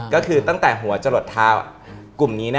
ก็คือตั้งแต่หัวจรดทาวน์กลุ่มนี้